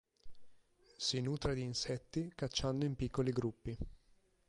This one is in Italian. Si nutre di insetti cacciando in piccoli gruppi.